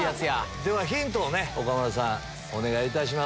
ヒントをね岡村さんお願いいたします。